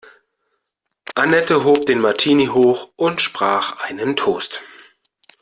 Annette hob den Martini hoch und sprach ein Toast.